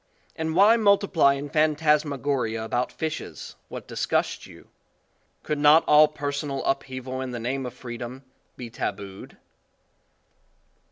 And why multiply in phantasmagoria about fishes, what disgusts you? Could not all personal upheaval in the name of freedom, be tabood?